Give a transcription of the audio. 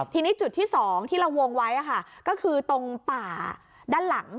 ทีนี้จุดที่๒ที่เราวงไว้ก็คือตรงป่าด้านหลัง